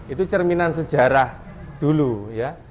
itu cerminan sejarah dulu ya